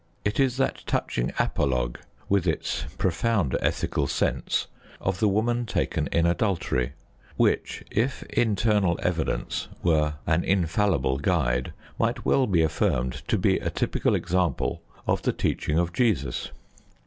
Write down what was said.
It is that touching apologue, with its profound ethical sense, of the woman taken in adultery which, if internal evidence were an infallible guide, might well be affirmed to be a typical example of the teaching of Jesus.